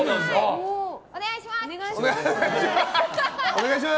お願いします。